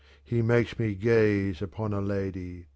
He makes me gaze upon a lady.